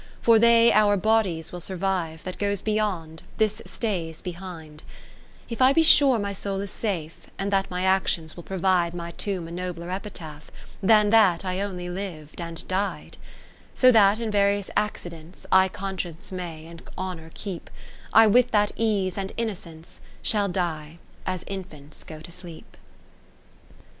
For they our bodies will survive ; That goes beyond, this stays behind. 20 VI If I be sure my soul is safe, And that my actions will provide My tomb a nobler epitaph. Than that I only liv'd and died. VII So that in various accidents I Conscience may, and Honour, keep; I with that ease and innocence Shall die, as infants go to sleep.